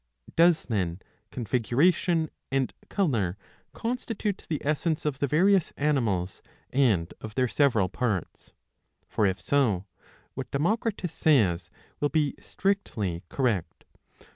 Does, then, configuration and colour constitute the essence of the various animals and of their several parts ? P^or if so, what Democritus says will be strictly correct.